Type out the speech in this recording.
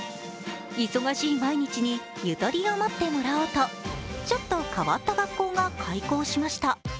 忙しい毎日にゆとりを持ってもらおうとちょっと変わった学校が開校しました。